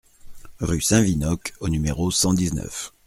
Rue Saint-Winocq au numéro cent dix-neuf